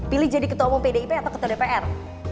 pilih jadi ketua umum pdip atau ketua dpr